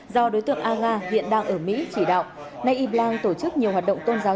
do đối tượng a nga hiện đang ở mỹ chỉ đạo nay y blang tổ chức nhiều hoạt động tôn giáo